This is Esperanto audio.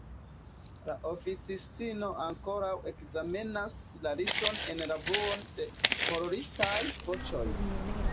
La oficistino ankoraŭ ekzamenas la liston en la bruo de hororitaj voĉoj.